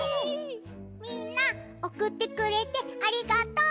みんなおくってくれてありがとう！